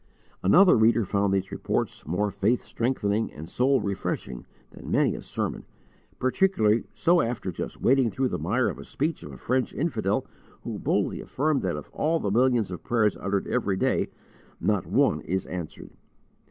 Another reader found these Reports "more faith strengthening and soul refreshing than many a sermon," particularly so after just wading through the mire of a speech of a French infidel who boldly affirmed that of all of the millions of prayers uttered every day, not one is answered.